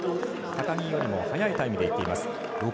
高木よりも速いタイムでいっています。